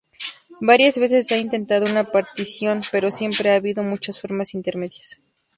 Varias veces se ha intentado una partición, pero siempre ha habido muchas formas intermedias.